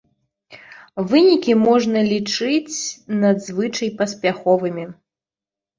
Вынікі можна лічыць надзвычай паспяховымі.